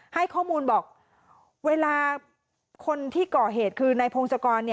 ให้ข้อมูลบอกเวลาคนที่ก่อเหตุคือนายพงศกร